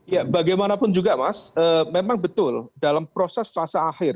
ya bagaimanapun juga mas memang betul dalam proses fase akhir